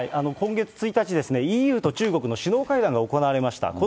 今月１日、ＥＵと中国の首脳会談が行われました。